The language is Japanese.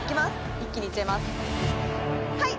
一気にいっちゃいますはい！